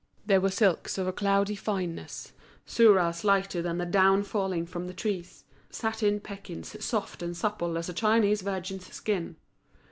There were silks of a cloudy fineness, surahs lighter than the down falling from the trees, satined pekins soft and supple as a Chinese virgin's skin.